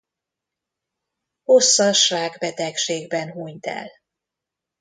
Hosszas rákbetegségben hunyt el.